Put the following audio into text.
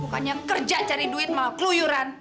bukannya kerja cari duit malah keluyuran